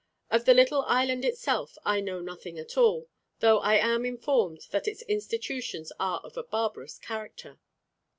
Of the little island itself I know nothing at all, though I am informed that its institutions are of a barbarous character."